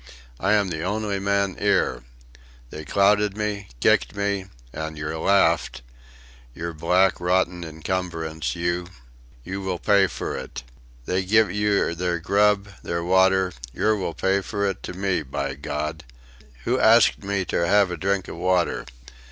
I am the only man 'ere. They clouted me, kicked me an' yer laffed yer black, rotten incumbrance, you! You will pay fur it. They giv' yer their grub, their water yer will pay fur it to me, by Gawd! Who axed me ter 'ave a drink of water?